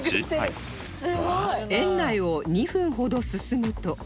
園内を２分ほど進むと